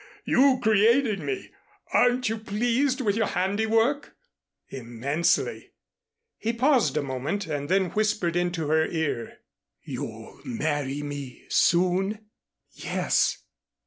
You created me. Aren't you pleased with your handiwork?" "Immensely." He paused a moment and then whispered into her ear. "You'll marry me soon?" "Yes."